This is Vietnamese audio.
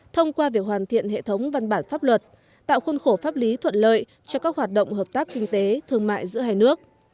thông qua việc hoàn thiện hệ thống văn bản pháp luật tạo khuôn khổ pháp lý thuận lợi cho các hoạt động hợp tác kinh tế thương mại giữa hai nước